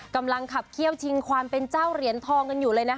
กำลังขับเขี้ยวชิงความเป็นเจ้าเหรียญทองกันอยู่เลยนะคะ